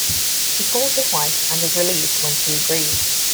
He calls his wife and is relieved when she agrees.